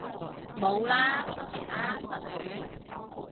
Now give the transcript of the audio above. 冇喇收皮喇失戀